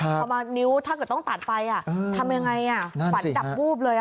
พอมานิ้วถ้าเกิดต้องตัดไปทำยังไงฝันดับวูบเลย